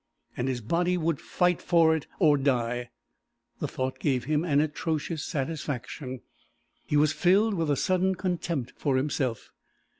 And his body would fight for it, or die. The thought gave him an atrocious satisfaction. He was filled with a sudden contempt for himself.